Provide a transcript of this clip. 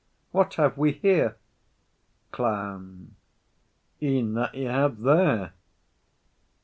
What have we here? CLOWN. E'en that you have there.